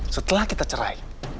setelah kita cerai